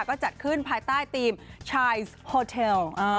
ก็จัดขึ้นภายใต้ทีมชายโฮเทล